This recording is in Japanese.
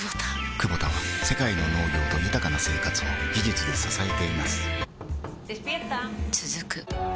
クボタは世界の農業と豊かな生活を技術で支えています起きて。